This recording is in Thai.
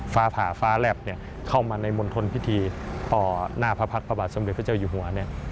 ฟ้าผ่าฟ้าแลบเข้ามาในมณฑลพิธีต่อหน้าพระพัฒน์พระบาทสมเด็จพระเจ้าอยู่หัวเนี่ย